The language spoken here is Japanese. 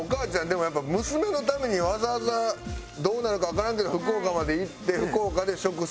でもやっぱ娘のためにわざわざどうなるかわからんけど福岡まで行って福岡で職探して。